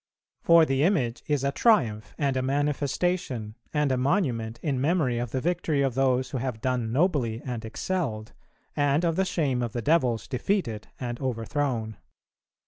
.. For the Image is a triumph, and a manifestation, and a monument in memory of the victory of those who have done nobly and excelled, and of the shame of the devils defeated and overthrown."